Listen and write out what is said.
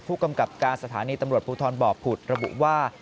ผู้กำกับการสถานีตำรวจภูทรบ่อผุดระบุว่า